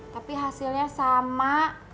tapi hasilnya sama